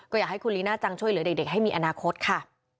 ก็อยากให้คุณลีน่าจังช่วยเหลือเด็กให้มีอนาคตค่ะ